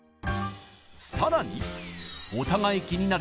更にお互い気になる